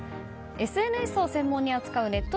ＳＮＳを専門に扱うネット